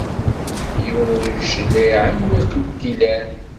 Yiwen ur yecliɛ anwa i kent-ilan.